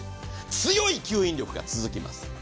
強い吸引力が続きます。